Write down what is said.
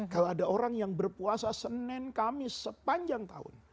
kalau ada orang yang berpuasa senin kamis sepanjang tahun